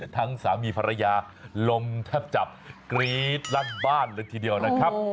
สามีภรรยาลมแทบจับกรี๊ดลั่นบ้านเลยทีเดียวนะครับ